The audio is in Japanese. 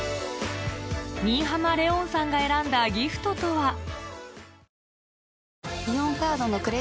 新浜レオンさんが選んだギフトとは？